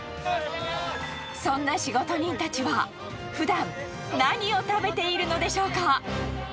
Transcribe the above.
そんな仕事人たちは、ふだん何を食べているのでしょうか。